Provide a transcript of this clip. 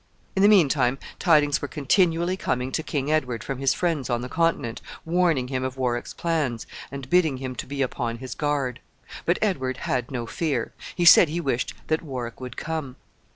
In the mean time, tidings were continually coming to King Edward from his friends on the Continent, warning him of Warwick's plans, and bidding him to be upon his guard. But Edward had no fear. He said he wished that Warwick would come.